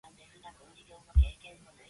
The females are reddish-brown or dark-colored.